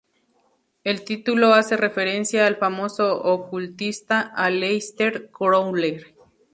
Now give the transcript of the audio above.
El título hace referencia al famoso ocultista Aleister Crowley.